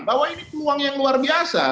bahwa ini peluang yang luar biasa